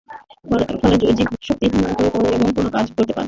ফলে জীব শক্তিহীন হয়ে পড়বে এবং কোনো কাজ করতে পারবে না।